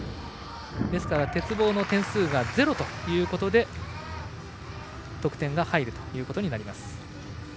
ですから鉄棒の点数がゼロということで得点が入るということになります。